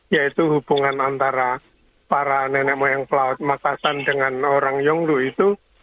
yaitu hubungan antara para nenek moyang pelaut makassar dengan orang yonglu itu